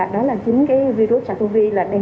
đó là chính cái virus sars cov hai